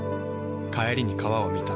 帰りに川を見た。